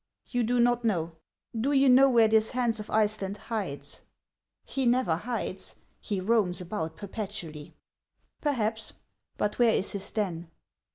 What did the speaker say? " You do riot know ? Do you know where this Hans of Iceland hides ?"" He never hides ; he roams about perpetually." " Perhaps ; but where is his den?